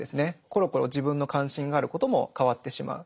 コロコロ自分の関心があることも変わってしまう。